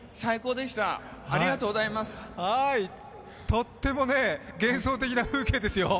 とっても幻想的な風景ですよ。